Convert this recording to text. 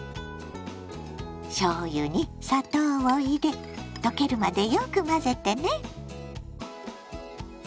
しょうゆに砂糖を入れ溶けるまでよく混ぜてね。